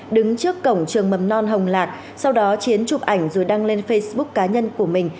đứng trước cổng trường mầm non hồng lạc sau đó chiến chụp ảnh rồi đăng lên facebook cá nhân của mình